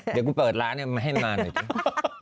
เดี๋ยวกูเปิดร้านมาให้มาหน่อยสิ